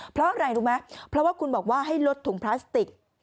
เพราะอะไรรู้ไหมเพราะว่าคุณบอกว่าให้ลดถุงพลาสติก